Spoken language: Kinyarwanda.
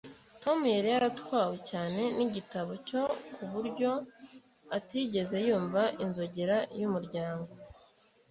tom yari yaratwawe cyane nigitabo cye kuburyo atigeze yumva inzogera yumuryango